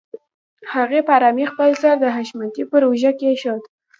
هغې په آرامۍ خپل سر د حشمتي پر اوږه کېښوده.